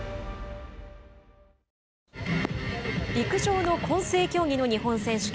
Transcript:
陸上の混成競技の日本選手権。